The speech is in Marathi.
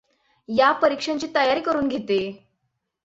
या परीक्षांची तयारी करून घेते.